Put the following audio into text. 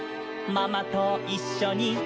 「パパといっしょに」